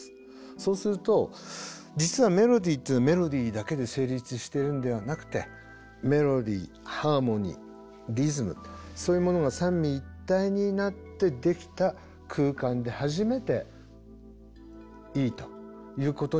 そうすると実はメロディーっていうのはメロディーだけで成立してるんではなくてメロディーハーモニーリズムそういうものが三位一体になってできた空間で初めていいということになるわけですね。